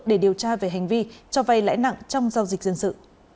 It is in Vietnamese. để điều tra về hành vi cho vay lãi nặng trong giao dịch dân sự